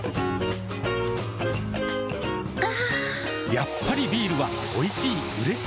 やっぱりビールはおいしい、うれしい。